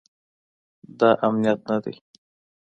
دا امنیت نه دی